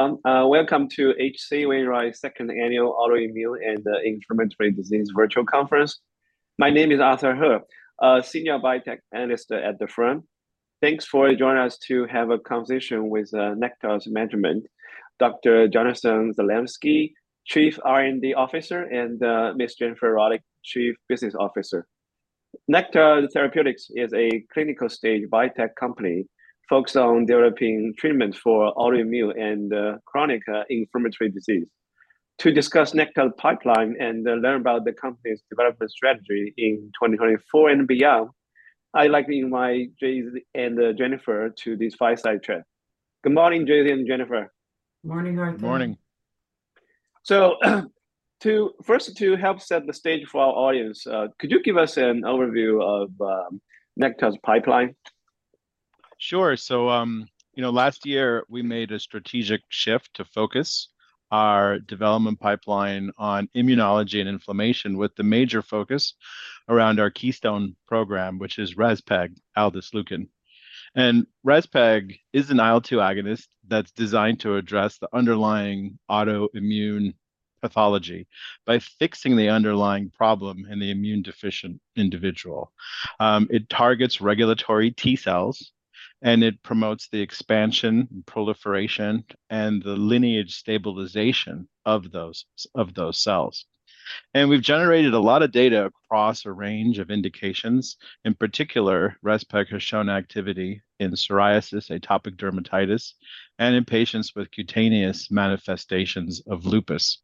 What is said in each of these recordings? Everyone, welcome to H.C. Wainwright's second annual autoimmune and inflammatory disease virtual conference. My name is Arthur He, Senior Healthcare Analyst at the firm. Thanks for joining us to have a conversation with Nektar's management, Dr. Jonathan Zalevsky, Chief R&D Officer, and Ms. Jennifer Ruddock, Chief Business Officer. Nektar Therapeutics is a clinical-stage biotech company focused on developing treatments for autoimmune and chronic inflammatory disease. To discuss Nektar's pipeline and learn about the company's development strategy in 2024 and beyond, I'd like to invite Jay-Z and Jennifer to this fireside chat. Good morning, Jay-Z and Jennifer. Morning, Arthur. Morning. So, to first help set the stage for our audience, could you give us an overview of Nektar's pipeline? Sure. So, you know, last year we made a strategic shift to focus our development pipeline on immunology and inflammation with the major focus around our keystone program, which is Rezpegaldesleukin. And Rezpegaldesleukin is an IL-2 agonist that's designed to address the underlying autoimmune pathology by fixing the underlying problem in the immune-deficient individual. It targets regulatory T cells, and it promotes the expansion and proliferation and the lineage stabilization of those cells. And we've generated a lot of data across a range of indications. In particular, Rezpegaldesleukin has shown activity in psoriasis, atopic dermatitis, and in patients with cutaneous manifestations of lupus.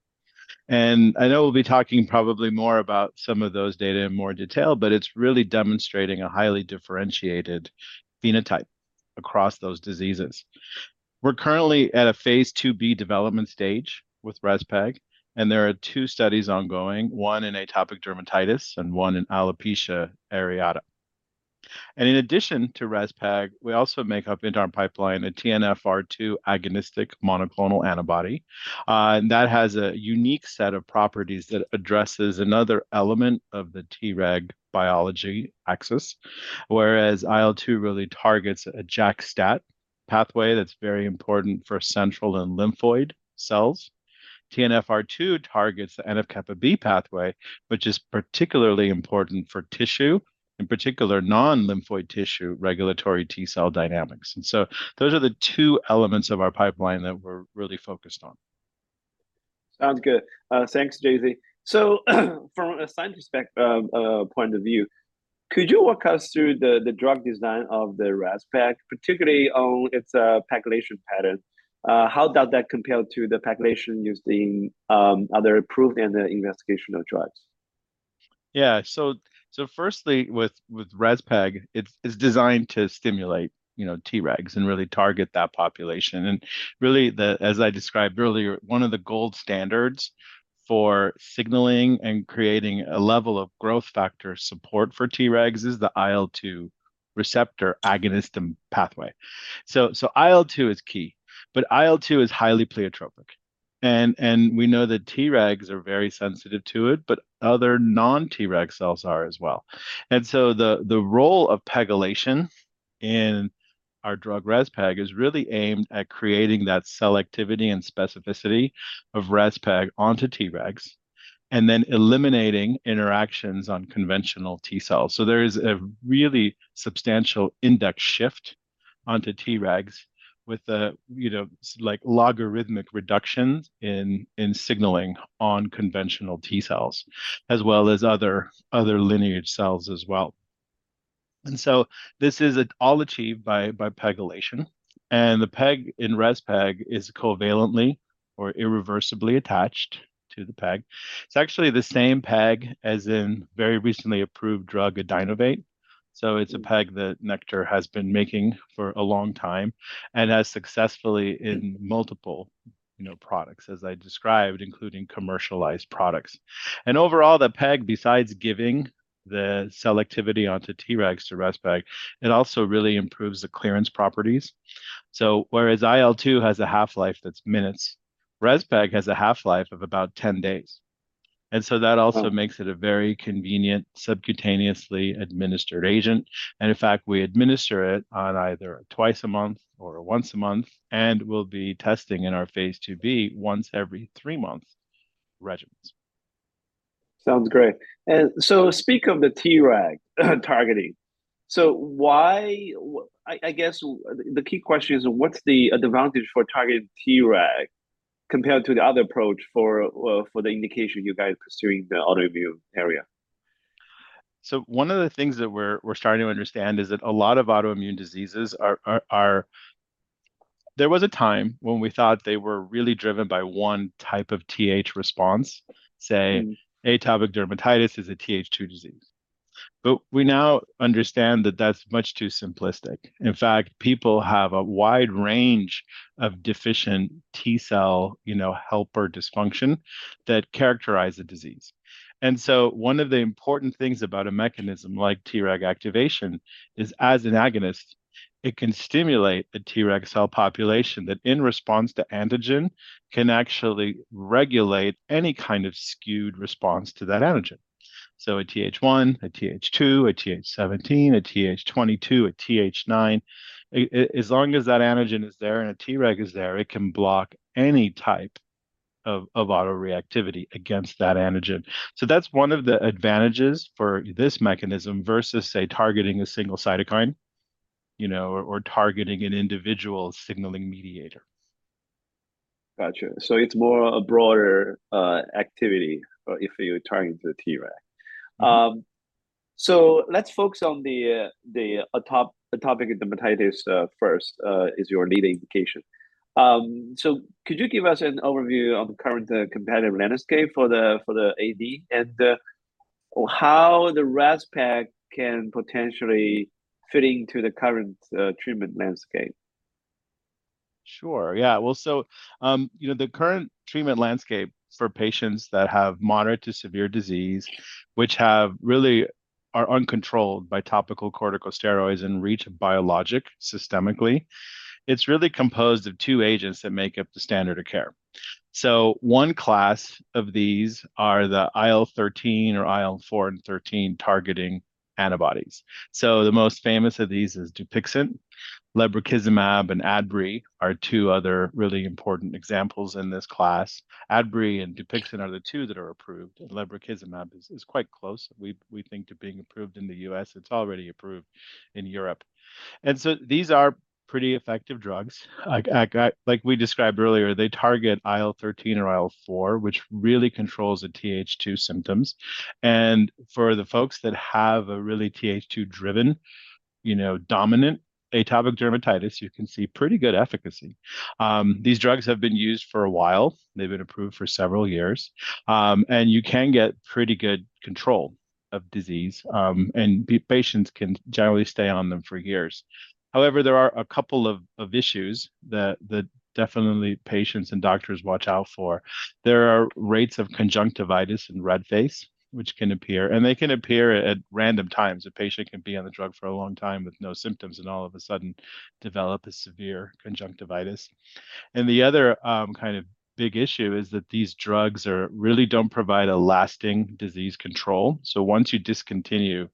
And I know we'll be talking probably more about some of those data in more detail, but it's really demonstrating a highly differentiated phenotype across those diseases. We're currently at a phase 2b development stage withREZPEG, and there are two studies ongoing, one in atopic dermatitis and one in alopecia areata. In addition toREZPEG, we also make up in our pipeline a TNFR2 agonistic monoclonal antibody, that has a unique set of properties that addresses another element of the Treg biology axis, whereas IL-2 really targets a JAK-STAT pathway that's very important for central and lymphoid cells. TNFR2 targets the NF-kappa B pathway, which is particularly important for tissue, in particular non-lymphoid tissue regulatory T cell dynamics. So those are the two elements of our pipeline that we're really focused on. Sounds good. Thanks, Jay-Z. So, from a scientific point of view, could you walk us through the drug design of the Rezpegaldesleukin, particularly on its PEGylation pattern? How does that compare to the PEGylation using other approved and investigational drugs? Yeah. So firstly, withREZPEG, it's designed to stimulate, you know, Tregs and really target that population. And really, as I described earlier, one of the gold standards for signaling and creating a level of growth factor support for Tregs is the IL-2 receptor agonist pathway. So IL-2 is key, but IL-2 is highly pleiotropic. And we know that Tregs are very sensitive to it, but other non-Treg cells are as well. And so the role of PEGylation in our drugREZPEG is really aimed at creating that selectivity and specificity ofREZPEG onto Tregs, and then eliminating interactions on conventional T cells. So there is a really substantial index shift onto Tregs with, you know, like logarithmic reductions in signaling on conventional T cells, as well as other lineage cells as well. And so this is all achieved by PEGylation. And the PEG inREZPEG is covalently or irreversibly attached to the PEG. It's actually the same PEG as in very recently approved drug Adynovate. So it's a PEG that Nektar has been making for a long time and has successfully in multiple, you know, products, as I described, including commercialized products. And overall, the PEG, besides giving the selectivity onto Tregs toREZPEG, it also really improves the clearance properties. So whereas IL-2 has a half-life that's minutes, REZPEG has a half-life of about 10 days. And so that also makes it a very convenient subcutaneously administered agent. And in fact, we administer it on either twice a month or once a month and will be testing in our phase 2B once every three months regimens. Sounds great. And so, speaking of the Treg targeting. So why, I guess, the key question is what's the advantage for targeting Treg compared to the other approach for, for the indication you guys are pursuing in the autoimmune area? So one of the things that we're starting to understand is that a lot of autoimmune diseases are. There was a time when we thought they were really driven by one type of TH response, say, atopic dermatitis is a TH2 disease. But we now understand that that's much too simplistic. In fact, people have a wide range of deficient T cell, you know, helper dysfunction that characterize the disease. And so one of the important things about a mechanism like Treg activation is, as an agonist, it can stimulate a Treg cell population that, in response to antigen, can actually regulate any kind of skewed response to that antigen. So a TH1, a TH2, a TH17, a TH22, a TH9, as long as that antigen is there and a Treg is there, it can block any type of autoreactivity against that antigen. That's one of the advantages for this mechanism versus, say, targeting a single cytokine, you know, or targeting an individual signaling mediator. Gotcha. So it's more a broader activity if you're targeting the Treg. So let's focus on the atopic dermatitis first, is your leading indication. So could you give us an overview of the current competitive landscape for the AD and how theREZPEG can potentially fit into the current treatment landscape? Sure. Yeah. Well, so, you know, the current treatment landscape for patients that have moderate to severe disease, which really are uncontrolled by topical corticosteroids and require biologic systemically, it's really composed of two agents that make up the standard of care. So one class of these are the IL-13 or IL-4 and 13 targeting antibodies. So the most famous of these is Dupixent. Lebrikizumab and Adbry are two other really important examples in this class. Adbry and Dupixent are the two that are approved. And Lebrikizumab is quite close. We think to being approved in the US, it's already approved in Europe. And so these are pretty effective drugs. Like we described earlier, they target IL-13 or IL-4, which really controls the TH2 symptoms. And for the folks that have a really TH2-driven, you know, dominant atopic dermatitis, you can see pretty good efficacy. These drugs have been used for a while. They've been approved for several years. You can get pretty good control of disease. Patients can generally stay on them for years. However, there are a couple of issues that definitely patients and doctors watch out for. There are rates of conjunctivitis and red face, which can appear. They can appear at random times. A patient can be on the drug for a long time with no symptoms and all of a sudden develop a severe conjunctivitis. The other kind of big issue is that these drugs really don't provide a lasting disease control. So once you discontinue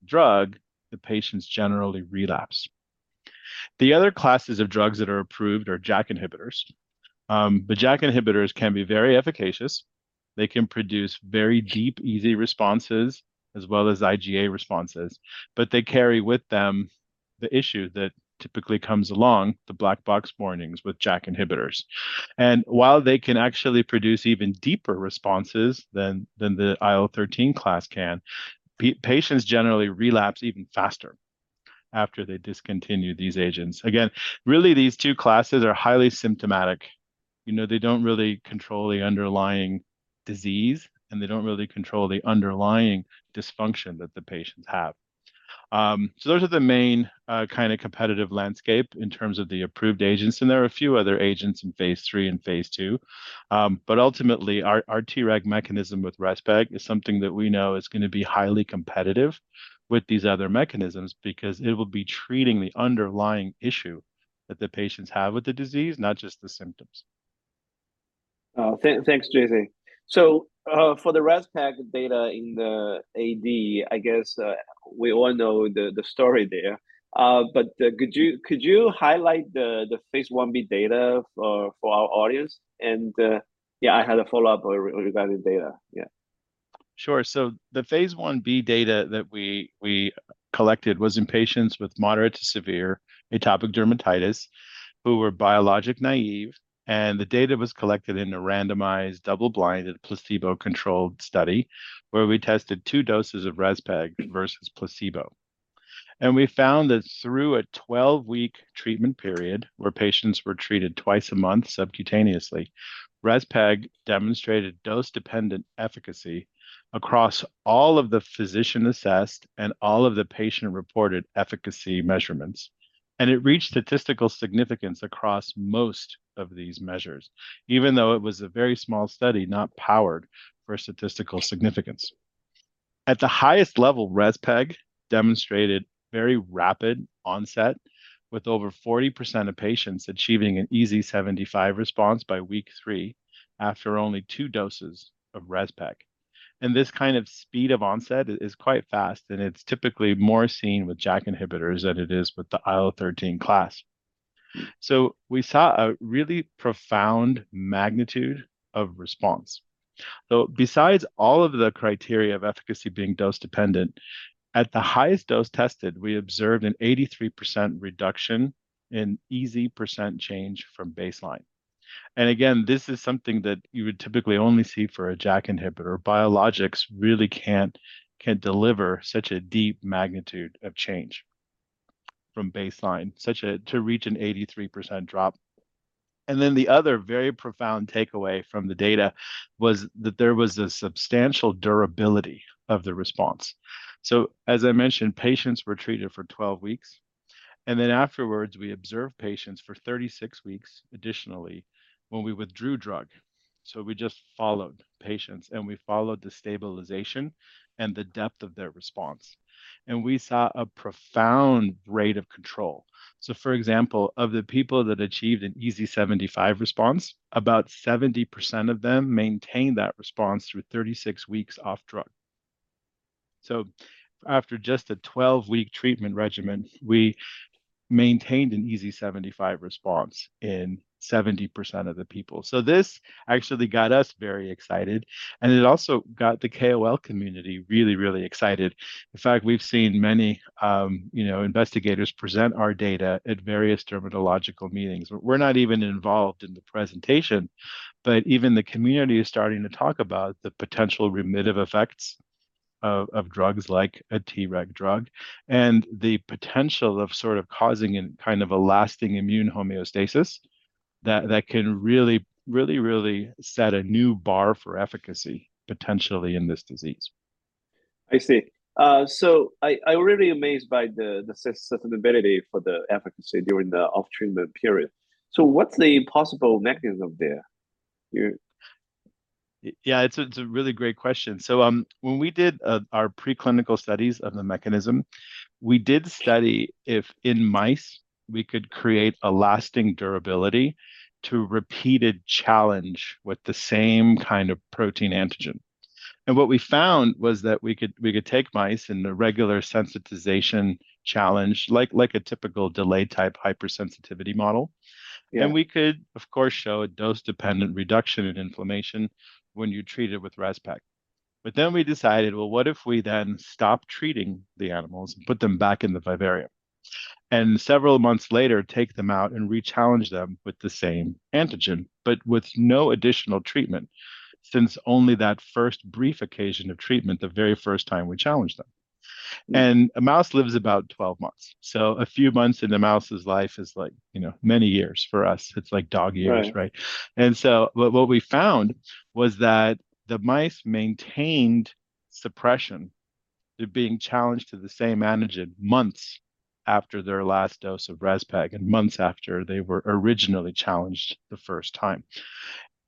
the drug, the patients generally relapse. The other classes of drugs that are approved are JAK inhibitors. JAK inhibitors can be very efficacious. They can produce very deep EASI responses, as well as IGA responses. But they carry with them the issue that typically comes along, the black box warnings with JAK inhibitors. And while they can actually produce even deeper responses than the IL-13 class can, patients generally relapse even faster after they discontinue these agents. Again, really, these two classes are highly symptomatic. You know, they don't really control the underlying disease, and they don't really control the underlying dysfunction that the patients have. So those are the main, kind of competitive landscape in terms of the approved agents. And there are a few other agents in phase 3 and phase 2. But ultimately, our Treg mechanism withREZPEG is something that we know is going to be highly competitive with these other mechanisms because it will be treating the underlying issue that the patients have with the disease, not just the symptoms. Oh, thanks, Jay-Z. So, for the Rezpegaldesleukin data in the AD, I guess, we all know the story there, but could you highlight the phase 1b data for our audience? And, yeah, I had a follow-up regarding data. Yeah. Sure. So the phase 1b data that we collected was in patients with moderate to severe atopic dermatitis who were biologic naive. The data was collected in a randomized double-blind placebo-controlled study where we tested 2 doses ofREZPEG versus placebo. We found that through a 12-week treatment period where patients were treated twice a month subcutaneously, REZPEG demonstrated dose-dependent efficacy across all of the physician-assessed and all of the patient-reported efficacy measurements. It reached statistical significance across most of these measures, even though it was a very small study, not powered for statistical significance. At the highest level, REZPEG demonstrated very rapid onset, with over 40% of patients achieving an EASI 75 response by week 3 after only 2 doses ofREZPEG. This kind of speed of onset is quite fast, and it's typically more seen with JAK inhibitors than it is with the IL-13 class. We saw a really profound magnitude of response. Besides all of the criteria of efficacy being dose-dependent, at the highest dose tested, we observed an 83% reduction in EASI % change from baseline. Again, this is something that you would typically only see for a JAK inhibitor. Biologics really can't deliver such a deep magnitude of change from baseline, such as to reach an 83% drop. The other very profound takeaway from the data was that there was a substantial durability of the response. As I mentioned, patients were treated for 12 weeks. Afterwards, we observed patients for 36 weeks additionally when we withdrew drug. So we just followed patients, and we followed the stabilization and the depth of their response. And we saw a profound rate of control. So, for example, of the people that achieved an EASI 75 response, about 70% of them maintained that response through 36 weeks off drug. So after just a 12-week treatment regimen, we maintained an EASI 75 response in 70% of the people. So this actually got us very excited. And it also got the KOL community really, really excited. In fact, we've seen many, you know, investigators present our data at various dermatological meetings. We're not even involved in the presentation. But even the community is starting to talk about the potential remittive effects of drugs like a Treg drug and the potential of sort of causing a kind of a lasting immune homeostasis that can really, really, really set a new bar for efficacy potentially in this disease. I see. I, I'm really amazed by the susceptibility for the efficacy during the off-treatment period. So what's the possible mechanism there? You. Yeah, it's a, it's a really great question. So, when we did our preclinical studies of the mechanism, we did study if in mice we could create a lasting durability to repeated challenge with the same kind of protein antigen. And what we found was that we could, we could take mice in the regular sensitization challenge, like, like a typical delayed-type hypersensitivity model. And we could, of course, show a dose-dependent reduction in inflammation when you treat it withREZPEG. But then we decided, well, what if we then stop treating the animals and put them back in the vivarium? And several months later, take them out and re-challenge them with the same antigen, but with no additional treatment since only that first brief occasion of treatment, the very first time we challenged them. And a mouse lives about 12 months. So a few months in the mouse's life is like, you know, many years for us. It's like dog years, right? And so what we found was that the mice maintained suppression to being challenged to the same antigen months after their last dose ofREZPEG and months after they were originally challenged the first time.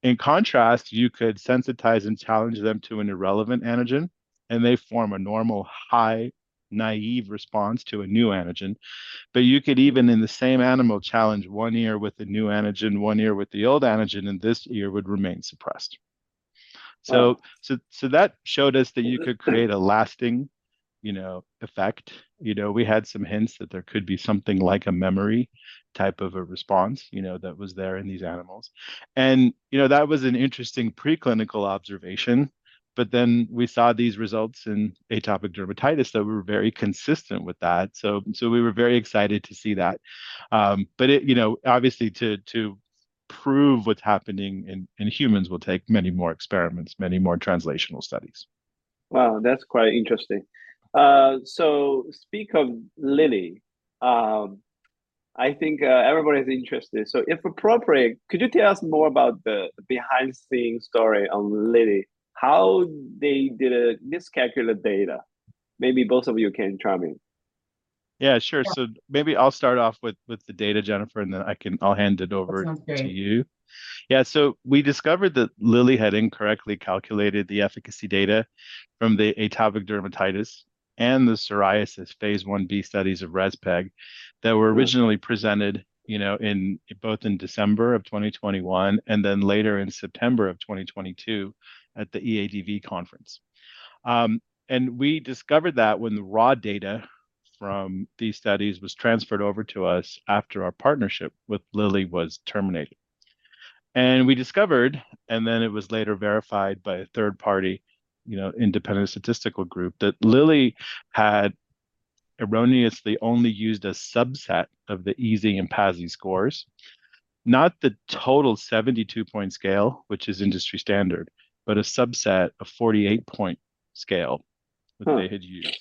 In contrast, you could sensitize and challenge them to an irrelevant antigen, and they form a normal high naive response to a new antigen. But you could even in the same animal challenge one ear with the new antigen, one ear with the old antigen, and this ear would remain suppressed. So that showed us that you could create a lasting, you know, effect. You know, we had some hints that there could be something like a memory type of a response, you know, that was there in these animals. You know, that was an interesting preclinical observation. But then we saw these results in atopic dermatitis that were very consistent with that. So we were very excited to see that. But it, you know, obviously to prove what's happening in humans will take many more experiments, many more translational studies. Wow, that's quite interesting. So, speaking of Lilly, I think everybody is interested. So if appropriate, could you tell us more about the behind-the-scenes story on Lilly, how they did a miscalculated data? Maybe both of you can chime in. Yeah, sure. So maybe I'll start off with the data, Jennifer, and then I'll hand it over to you. Yeah, so we discovered that Lilly had incorrectly calculated the efficacy data from the atopic dermatitis and the psoriasis Phase 1B studies of Rezpegaldesleukin that were originally presented, you know, in both in December of 2021 and then later in September of 2022 at the EADV conference. And we discovered that when the raw data from these studies was transferred over to us after our partnership with Lilly was terminated. And we discovered, and then it was later verified by a third-party, you know, independent statistical group, that Lilly had erroneously only used a subset of the EASI and PASI scores, not the total 72-point scale, which is industry standard, but a subset of 48-point scale that they had used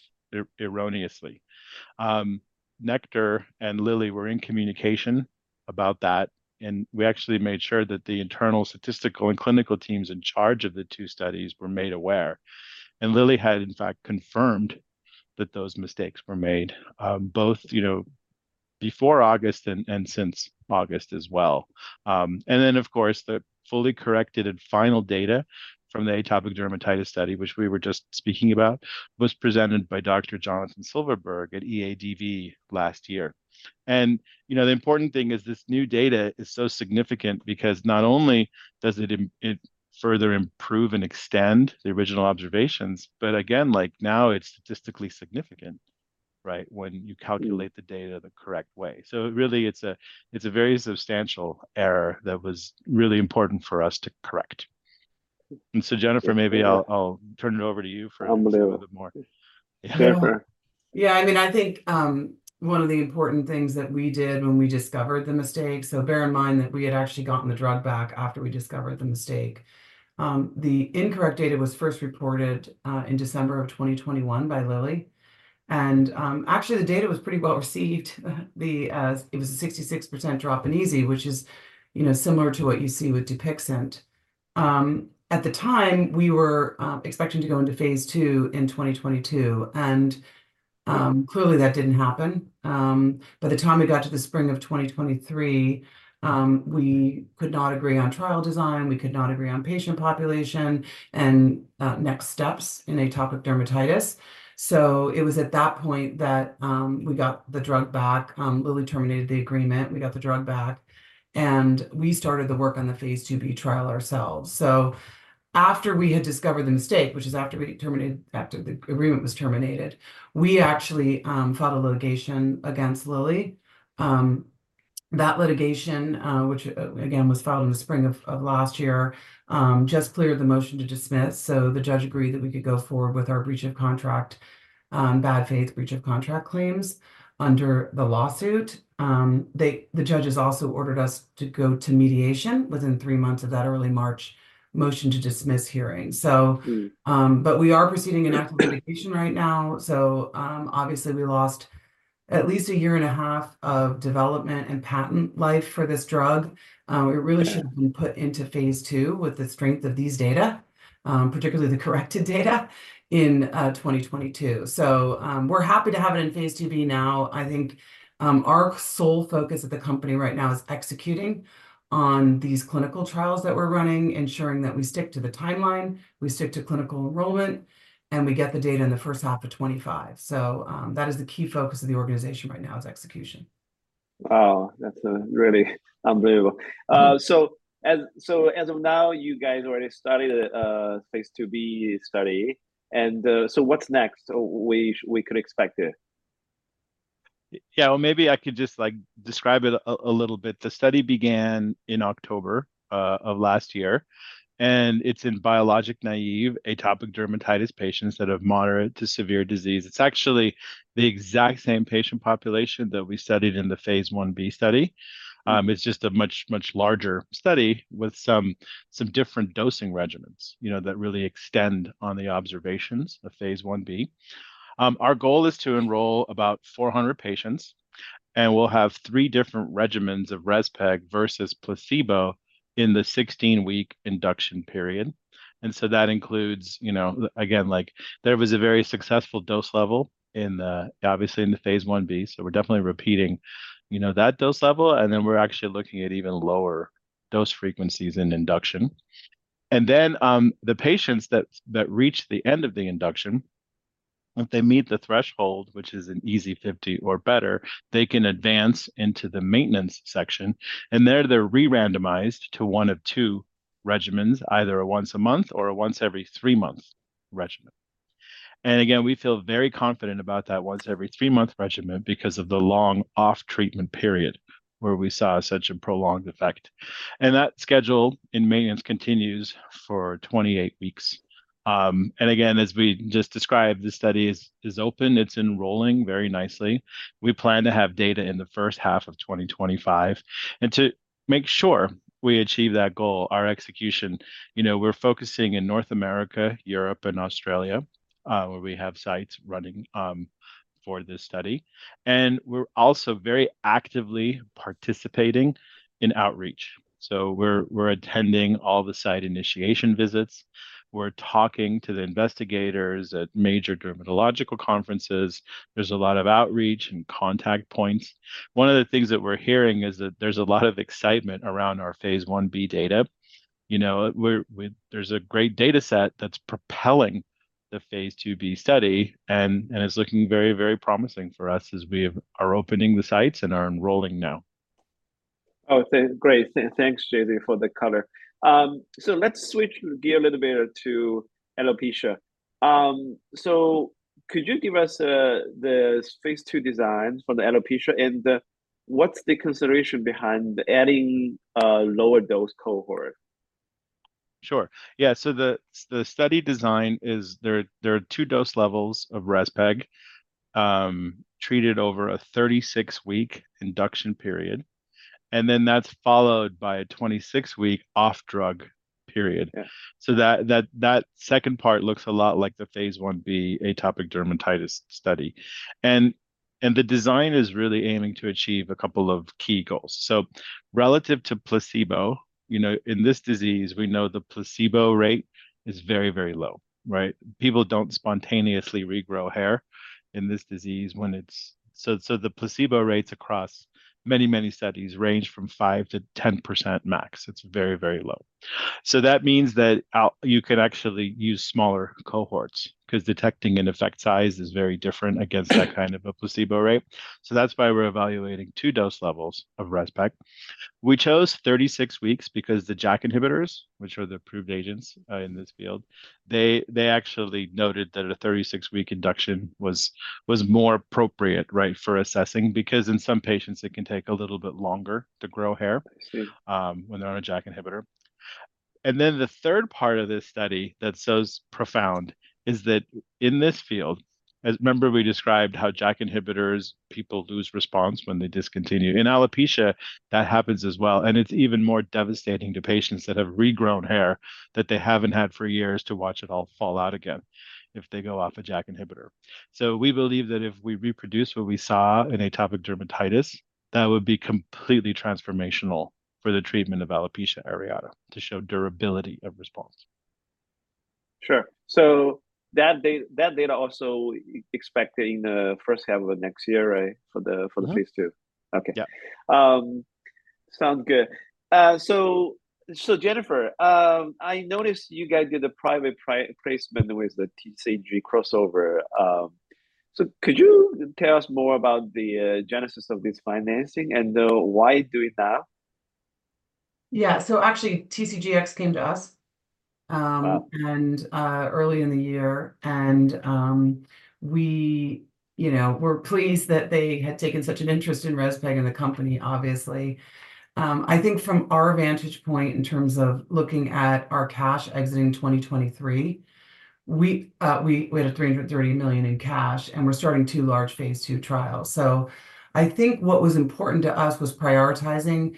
erroneously. Nektar and Lilly were in communication about that. We actually made sure that the internal statistical and clinical teams in charge of the two studies were made aware. Lilly had, in fact, confirmed that those mistakes were made, both, you know, before August and since August as well. Then, of course, the fully corrected and final data from the atopic dermatitis study, which we were just speaking about, was presented by Dr. Jonathan Silverberg at EADV last year. You know, the important thing is this new data is so significant because not only does it further improve and extend the original observations, but again, like now it's statistically significant, right, when you calculate the data the correct way. Really, it's a very substantial error that was really important for us to correct. Jennifer, maybe I'll turn it over to you for a little bit more. Jennifer. Yeah, I mean, I think, one of the important things that we did when we discovered the mistake, so bear in mind that we had actually gotten the drug back after we discovered the mistake, the incorrect data was first reported in December of 2021 by Lilly. And, actually, the data was pretty well received. The, it was a 66% drop in EASI, which is, you know, similar to what you see with Dupixent. At the time, we were, expecting to go into phase 2 in 2022. And, clearly, that didn't happen. By the time we got to the spring of 2023, we could not agree on trial design. We could not agree on patient population and, next steps in atopic dermatitis. So it was at that point that, we got the drug back. Lilly terminated the agreement. We got the drug back. And we started the work on the phase 2b trial ourselves. So after we had discovered the mistake, which is after we terminated, after the agreement was terminated, we actually filed a litigation against Lilly. That litigation, which, again, was filed in the spring of last year, just cleared the motion to dismiss. So the judge agreed that we could go forward with our breach of contract, bad faith, breach of contract claims under the lawsuit. The judge has also ordered us to go to mediation within three months of that early March motion to dismiss hearing. So, but we are proceeding in active litigation right now. So, obviously, we lost at least a year and a half of development and patent life for this drug. It really should have been put into phase 2 with the strength of these data, particularly the corrected data in 2022. So, we're happy to have it in phase 2B now. I think, our sole focus at the company right now is executing on these clinical trials that we're running, ensuring that we stick to the timeline, we stick to clinical enrollment, and we get the data in the first half of 2025. So, that is the key focus of the organization right now is execution. Wow, that's really unbelievable. So as of now, you guys already started the phase 2B study. So what's next? What we could expect there? Yeah, well, maybe I could just, like, describe it a little bit. The study began in October of last year. It's in biologic naive atopic dermatitis patients that have moderate to severe disease. It's actually the exact same patient population that we studied in the phase 1B study. It's just a much, much larger study with some different dosing regimens, you know, that really extend on the observations of phase 1B. Our goal is to enroll about 400 patients. We'll have 3 different regimens of Rezpegaldesleukin versus placebo in the 16-week induction period. So that includes, you know, again, like, there was a very successful dose level in the, obviously, in the phase 1B. So we're definitely repeating, you know, that dose level. And then we're actually looking at even lower dose frequencies in induction. Then, the patients that reach the end of the induction, if they meet the threshold, which is an EASI 50 or better, they can advance into the maintenance section. There they're re-randomized to one of two regimens, either a once-a-month or a once-every-three-month regimen. Again, we feel very confident about that once-every-three-month regimen because of the long off-treatment period where we saw such a prolonged effect. That schedule in maintenance continues for 28 weeks. Again, as we just described, the study is open. It's enrolling very nicely. We plan to have data in the first half of 2025. To make sure we achieve that goal, our execution, you know, we're focusing in North America, Europe, and Australia, where we have sites running, for this study. We're also very actively participating in outreach. We're attending all the site initiation visits. We're talking to the investigators at major dermatological conferences. There's a lot of outreach and contact points. One of the things that we're hearing is that there's a lot of excitement around our phase 1b data. You know, we're, there's a great dataset that's propelling the phase 2b study and it's looking very, very promising for us as we are opening the sites and are enrolling now. Oh, it's great. Thanks, Jason, for the color. Let's switch gears a little bit to alopecia. So could you give us the phase 2 design for the alopecia and what's the consideration behind adding a lower dose cohort? Sure. Yeah, so the study design is there are two dose levels ofREZPEG, treated over a 36-week induction period. And then that's followed by a 26-week off-drug period. Yeah, so that second part looks a lot like the phase 1B atopic dermatitis study. And the design is really aiming to achieve a couple of key goals. So relative to placebo, you know, in this disease, we know the placebo rate is very, very low, right? People don't spontaneously regrow hair in this disease when it's so, so the placebo rates across many, many studies range from 5%-10% max. It's very, very low. So that means that you can actually use smaller cohorts because detecting an effect size is very different against that kind of a placebo rate. So that's why we're evaluating two dose levels ofREZPEG. We chose 36 weeks because the JAK inhibitors, which are the approved agents in this field, they actually noted that a 36-week induction was more appropriate, right, for assessing because in some patients it can take a little bit longer to grow hair, when they're on a JAK inhibitor. And then the third part of this study that's so profound is that in this field, as remember we described how JAK inhibitors, people lose response when they discontinue. In alopecia, that happens as well. And it's even more devastating to patients that have regrown hair that they haven't had for years to watch it all fall out again if they go off a JAK inhibitor. So we believe that if we reproduce what we saw in atopic dermatitis, that would be completely transformational for the treatment of alopecia areata to show durability of response. Sure. So that data also expected in the first half of next year, right, for the phase 2? Okay. Yeah. Sounds good. So, Jennifer, I noticed you guys did a private placement with the TCG Crossover. So could you tell us more about the genesis of this financing and, you know, why do it now? Yeah, so actually TCGX came to us and early in the year. We, you know, were pleased that they had taken such an interest inREZPEG and the company, obviously. I think from our vantage point in terms of looking at our cash exiting 2023, we had $330 million in cash and we're starting two large phase 2 trials. So I think what was important to us was prioritizing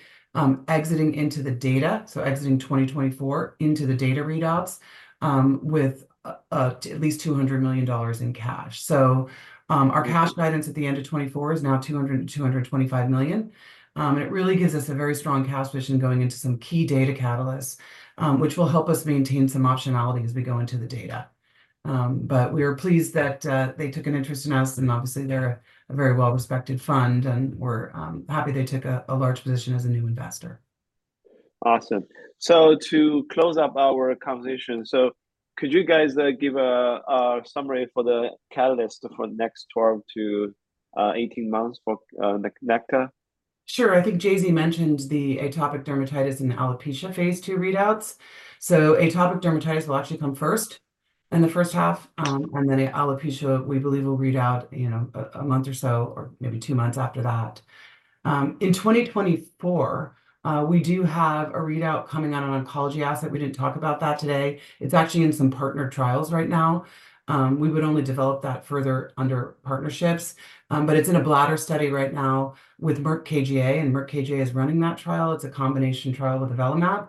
exiting into the data, so exiting 2024 into the data readouts with at least $200 million in cash. So, our cash guidance at the end of 2024 is now $200 million-$225 million. And it really gives us a very strong cash position going into some key data catalysts, which will help us maintain some optionality as we go into the data. We are pleased that they took an interest in us and obviously they're a very well-respected fund and we're happy they took a large position as a new investor. Awesome. To close up our conversation, so could you guys give a summary for the catalyst for the next 12-18 months for Nektar? Sure. I think Jason mentioned the atopic dermatitis and alopecia phase 2 readouts. So atopic dermatitis will actually come first in the first half, and then alopecia we believe will read out, you know, a month or so or maybe two months after that. In 2024, we do have a readout coming on an oncology asset. We didn't talk about that today. It's actually in some partner trials right now. We would only develop that further under partnerships. But it's in a bladder study right now with Merck KGaA and Merck KGaA is running that trial. It's a combination trial with avelumab.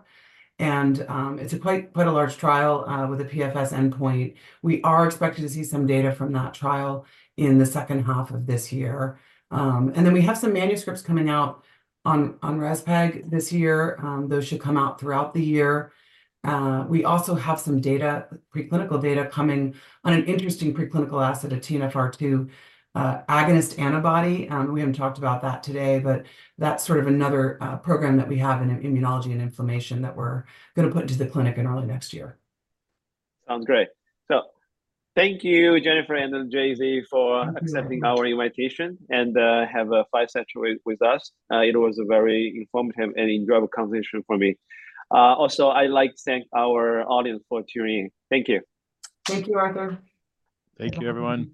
And, it's a quite, quite a large trial, with a PFS endpoint. We are expected to see some data from that trial in the second half of this year. And then we have some manuscripts coming out on, on Rezpegaldesleukin this year. Those should come out throughout the year. We also have some data, preclinical data coming on an interesting preclinical asset, a TNFR2 agonist antibody. We haven't talked about that today, but that's sort of another program that we have in immunology and inflammation that we're going to put into the clinic in early next year. Sounds great. So thank you, Jennifer and Jay-Z, for accepting our invitation and having a fireside chat with us. It was a very informative and enjoyable conversation for me. Also, I'd like to thank our audience for tuning in. Thank you. Thank you, Arthur. Thank you, everyone.